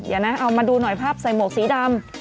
เดี๋ยวนะเอามาดูหน่อยภาพใส่หมวกสีดำ